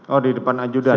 oh di depan ajudan